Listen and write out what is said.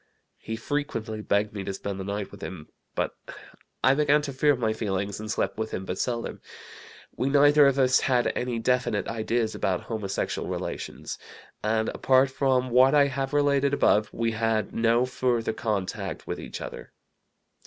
He frequently begged me to spend the night with him; but I began to fear my feelings, and slept with him but seldom. We neither of us had any definite ideas about homosexual relations, and, apart from what I have related above, we had no further contact with each other.